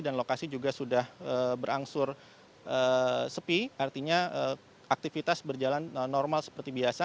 dan lokasi juga sudah berangsur sepi artinya aktivitas berjalan normal seperti biasa